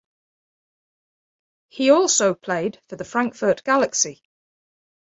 He also played for the Frankfurt Galaxy.